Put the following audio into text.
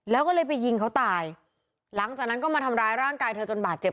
แล้วก็เลยไปยิงเขาตายหลังจากนั้นก็มาทำร้ายร่างกายเธอจนบาดเจ็บ